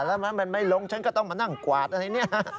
แล้วมันไม่ลงฉันก็ต้องมานั่งกวาดอะไรเนี่ยฮะ